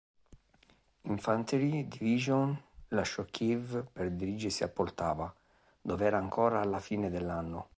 Infanterie-Division lasciò Kiev per dirigersi a Poltava, dove era ancora alla fine dell'anno.